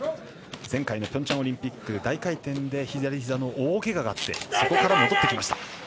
前回のピョンチャンオリンピック大回転で左ひざの大けががあってそこから戻ってきました。